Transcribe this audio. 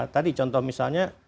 tadi contoh misalnya